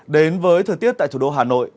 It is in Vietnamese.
đến với thời tiết tại thủ đô hà nội